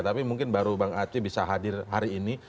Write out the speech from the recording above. tapi mungkin baru bang aceh bisa hadir hari ini